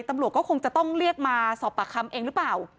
ตำรวจก็คงจะต้องเรียกมาสอบปากคำเองหรือเปล่า